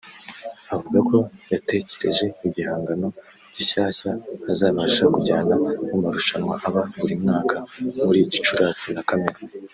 Avuga ko yatekereje igihangano gishyashya azabasha kujyana mu marushanwa aba buri mwaka muri Gicurasi na Kamena